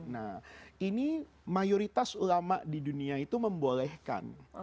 nah ini mayoritas ulama di dunia itu membolehkan